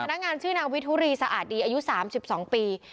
นางงามชื่อนางวิทุรีสะอาดดีอายุ๓๒ปี